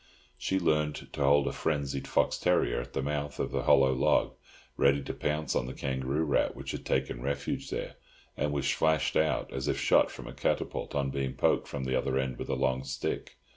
She learned to hold a frenzied fox terrier at the mouth of a hollow log, ready to pounce on the kangaroo rat which had taken refuge there, and which flashed out as if shot from a catapult on being poked from the other end with a long stick.